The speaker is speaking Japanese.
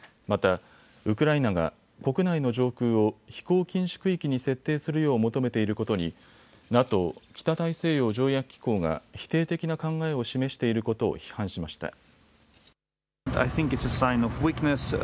またウクライナが国内の上空を飛行禁止区域に設定するよう求めていることにＮＡＴＯ・北大西洋条約機構が否定的な考えを示していることを批判しました。